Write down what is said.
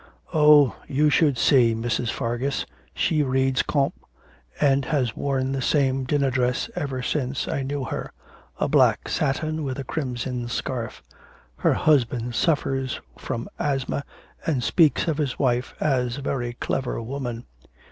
'Oh, you should see Mrs. Fargus, she reads Comte, and has worn the same dinner dress ever since I knew her a black satin with a crimson scarf. Her husband suffers from asthma, and speaks of his wife as a very clever woman.